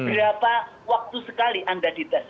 berapa waktu sekali anda dites